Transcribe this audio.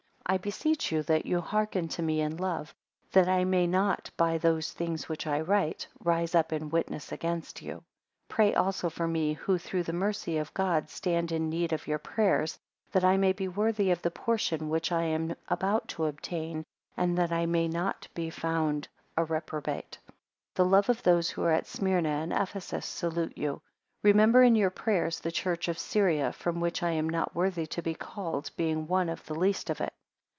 4 I beseech you, that you hearken to me in love; that I may not by those things which I write, rise up in witness against you. 5 Pray also for me; who, through the mercy of God, stand in need of your prayers, that I may be worthy of the portion which I am about to obtain, and that I be not found a reprobate. 6 The love of those who are at Smyrna and Ephesus salute you. Remember in your prayers the church of Syria, from which I am not worthy to be called, being one of the least of it.